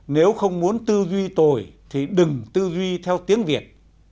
nếu không muốn tư duy tội thì đừng tư duy theo tiếng việt